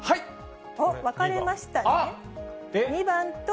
分かれましたね。